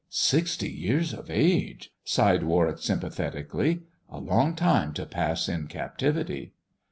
"Sixty years of age," sighed Warwick sympathetically; "a long time to pass in captivity."